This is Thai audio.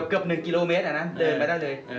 เกือบ๑กิโลเมตรอันนั้นเดินไปได้เลย